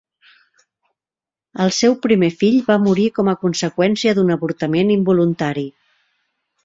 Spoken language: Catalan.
El seu primer fill va morir com a conseqüència d'un avortament involuntari.